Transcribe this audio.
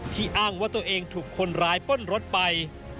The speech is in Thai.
อ้างว่าตัวเองถูกคนร้ายป้นรถไป